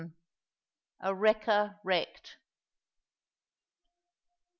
A WRECKER WRECKED.